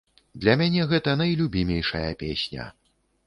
Для мяне гэта найлюбімейшая песня.